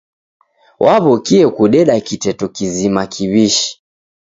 Waw'okie kudeda kiteto kizima kiw'ishi.